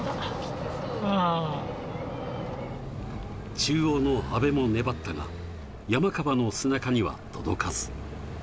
中央の阿部も粘ったが、山川の背中には届かず。